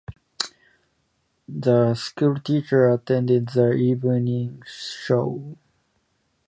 The schoolteacher attended the evening show.